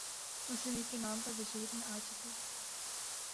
مسلم League کے نام پر وجود میں آ چکی